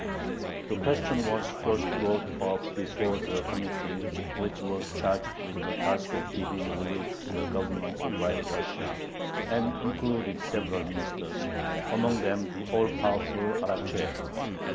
The question was first brought up before the Committee which was charged with the task of giving relief to the Governments of White Russia, and included several ministers, among them the all powerful Arakcheyev.